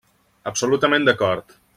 Absolutament d'acord.